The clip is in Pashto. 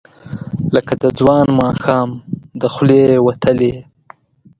لکه د ځوان ماښام، د خولې وتلې،